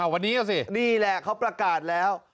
วันนี้ก็สินี่แหละเขาประกาศแล้ว